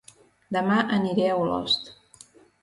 Dema aniré a Olost